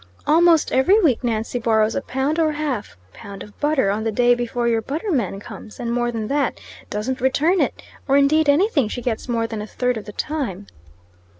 "Almost every week Nancy borrows a pound or a half pound of butter on the day before your butter man comes; and more than that, doesn't return it, or indeed anything she gets more than a third of the time."